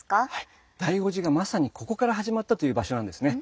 醍醐寺がまさにここから始まったという場所なんですね。